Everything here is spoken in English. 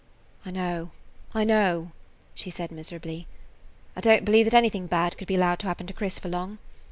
"I know, I know," she said miserably. "I don't believe that anything bad could be allowed to happen to Chris for long.